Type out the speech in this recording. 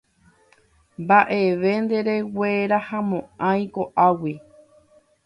Mbaʼevete ndereguerahamoʼãi koʼágui.